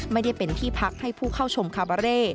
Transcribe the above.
ไม่ได้เป็นที่พักให้ผู้เข้าชมคาบาเร่